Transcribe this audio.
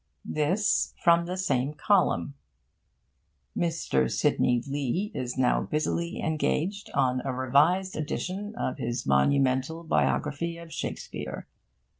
This from the same column: Mr. Sidney Lee is now busily engaged on a revised edition of his monumental biography of Shakespeare.